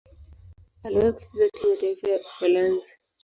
Aliwahi kucheza timu ya taifa ya Uholanzi.